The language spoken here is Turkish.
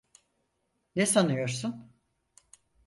Ne sanıyorsun?